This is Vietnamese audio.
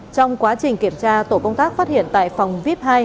trong quá trình kiểm tra tổ công tác phát hiện tại phòng vip hai